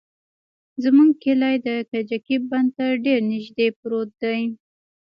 زموږ کلى د کجکي بند ته ډېر نژدې پروت دى.